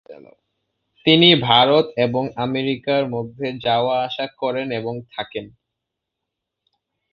তিনি ভারত এবং আমেরিকার মধ্যে যাওয়া আসা করেন এবং থাকেন।